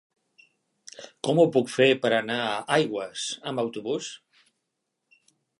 Com ho puc fer per anar a Aigües amb autobús?